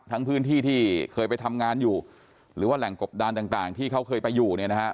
พื้นที่ที่เคยไปทำงานอยู่หรือว่าแหล่งกบดานต่างที่เขาเคยไปอยู่เนี่ยนะฮะ